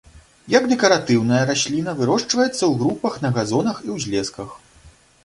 Як дэкаратыўная расліна вырошчваецца ў групах на газонах і ўзлесках.